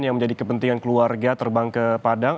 yang menjadi kepentingan keluarga terbang ke padang